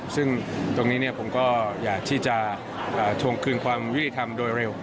ซึ่งตรงนี้ผมก็อยากที่จะทวงคืนความยุติธรรมโดยเร็ว